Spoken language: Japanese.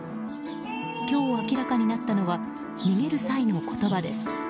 今日明らかになったのは逃げる際の言葉です。